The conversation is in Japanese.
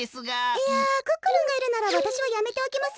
いやクックルンがいるならわたしはやめておきます。